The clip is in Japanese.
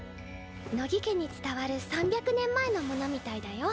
乃木家に伝わる３００年前のものみたいだよ。